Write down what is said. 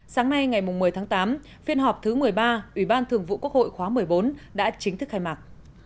sáng nay ngày một mươi tháng tám phiên họp thứ một mươi ba ủy ban thường vụ quốc hội khóa một mươi bốn đã chính thức khai mạc